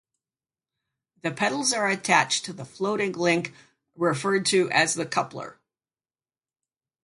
The pedals are attached to the floating link referred to as the coupler.